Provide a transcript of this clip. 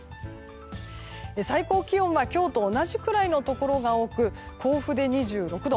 最高気温は今日と同じくらいのところが多く甲府で２６度。